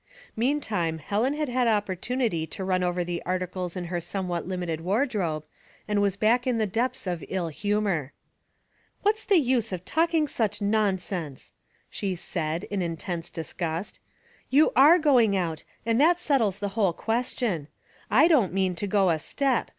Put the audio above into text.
Meantime Helen had had opportunity to run over the articles in her somewhat limited ward robe, and was back in the depths of ill humor. *' What's the use of talking such nonsense !'* she said, in intense disgust. "You are going out, and that settles the whole question. I don't mean to go a step.